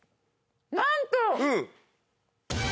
なんと。